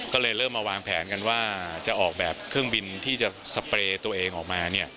ก็เลยเริ่มมาวางแผนกันว่าจะออกแบบเครื่องบินที่จะสเปรย์ตัวเองออกมา